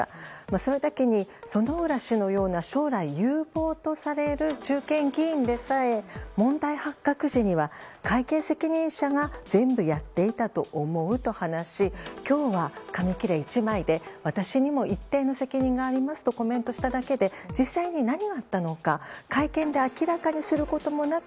それだけに薗浦氏のような将来有望とされる中堅議員でさえ問題発覚時には会計責任者が全部やっていたと思うと話し今日は紙切れ１枚で私にも一定の責任がありますとコメントしただけで実際に何があったのか会見で明らかにすることもなく